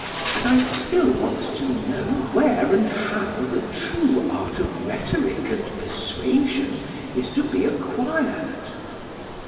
But I still want to know where and how the true art of rhetoric and persuasion is to be acquired.